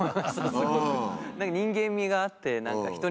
すごく。